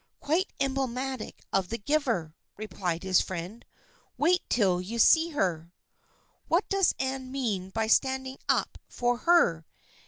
" Quite emblematic of the giver," replied his friend. " Wait till you see her." " What does Anne mean by standing up for her?